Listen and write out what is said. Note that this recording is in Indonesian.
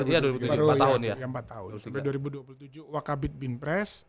sampai dua ribu dua puluh tujuh wakabit binpress